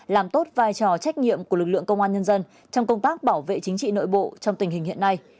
làm tốt vai trò trách nhiệm của lực lượng công an nhân dân trong công tác bảo vệ chính trị nội bộ trong tình hình hiện nay